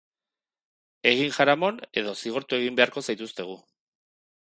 Egin jaramon edo zigortu egin beharko zaituztegu.